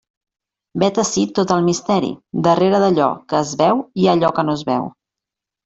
Vet ací tot el misteri: darrere d'allò que es veu hi ha allò que no es veu.